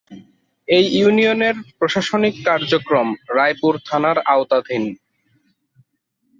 এ ইউনিয়নের প্রশাসনিক কার্যক্রম রায়পুর থানার আওতাধীন।